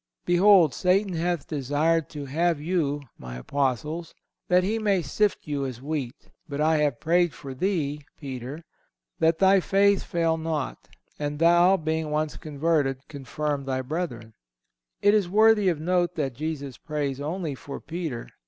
"Behold, Satan hath desired to have you (My Apostles), that he may sift you as wheat. But I have prayed for thee (Peter) that thy faith fail not; and thou, being once converted, confirm thy brethren."(179) It is worthy of note that Jesus prays only for Peter.